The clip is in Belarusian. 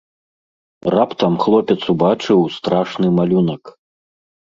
Раптам хлопец убачыў страшны малюнак.